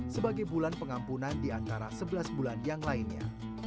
sebagai bulan pengampunan di antara sebelas bulan yang lainnya